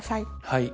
はい。